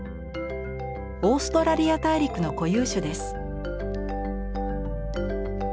オーストラリア大陸の固有種です。